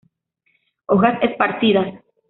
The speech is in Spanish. Hojas esparcidas.